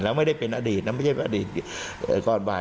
แล้วไม่ได้เป็นอดีตนะไม่ใช่อดีตก่อนบ่าย